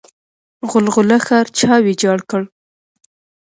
غلغله ښار چا ویجاړ کړ؟